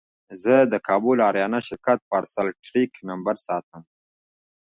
زه د کابل اریانا شرکت پارسل ټرېک نمبر ساتم.